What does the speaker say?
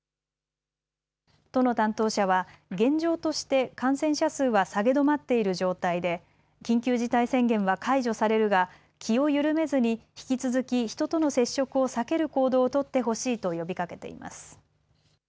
都の担当者は現状として感染者数は下げ止まっている状態で緊急事態宣言は解除されるが気を緩めずに引き続き人との接触を避ける行動を取ってほしいと呼びかけています。